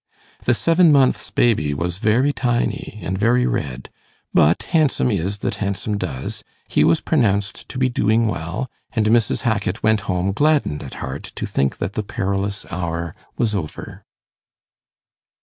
The seven months' baby was very tiny and very red, but 'handsome is that handsome does' he was pronounced to be 'doing well', and Mrs. Hackit went home gladdened at heart to think that the perilous hour was over.